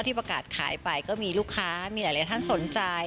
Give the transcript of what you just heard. ประกาศขายไปก็มีลูกค้ามีหลายท่านสนใจ